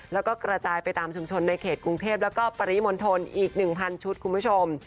แล้วก็กระจายไปตามชุมชนในเขตกรุงเทพแล้วก็ปริมณฑลอีก๑๐๐ชุดคุณผู้ชม